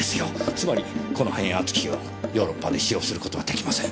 つまりこの変圧器をヨーロッパで使用する事はできません。